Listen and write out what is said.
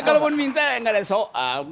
kalaupun minta ya nggak ada soal